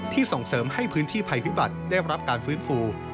ส่งเสริมให้พื้นที่ภัยพิบัติได้รับการฟื้นฟู